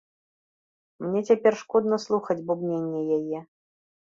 Мне цяпер шкодна слухаць бубненне яе.